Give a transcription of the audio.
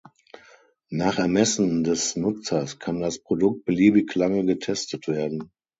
Nach Ermessen des Nutzers kann das Produkt beliebig lange getestet werden.